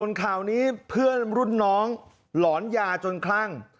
ส่วนข่าวนี้เพื่อนรุ่นน้องหลอนยาจนคลั่ง